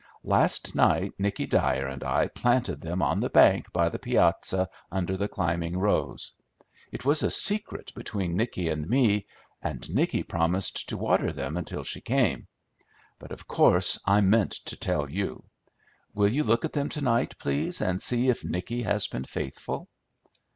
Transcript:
Last night Nicky Dyer and I planted them on the bank by the piazza under the climbing rose; it was a secret between Nicky and me, and Nicky promised to water them until she came; but of course I meant to tell you. Will you look at them to night, please, and see if Nicky has been faithful?"